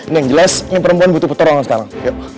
yang jelas ini perempuan butuh peturung sekarang